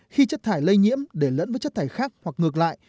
khi chất thải lây nhiễm để lẫn với chất thải khác hoặc ngược lại